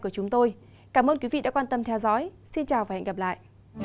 cảm ơn quý vị đã quan tâm theo dõi xin chào và hẹn gặp lại